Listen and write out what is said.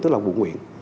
tức là vụ nguyện